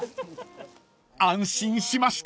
［安心しました！］